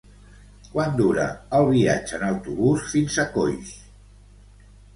Quant dura el viatge en autobús fins a Coix?